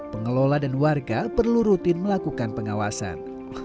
pengelola dan warga perlu rutin melakukan pengawasan